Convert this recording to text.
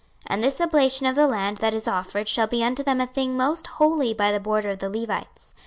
26:048:012 And this oblation of the land that is offered shall be unto them a thing most holy by the border of the Levites.